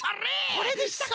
これでしたか。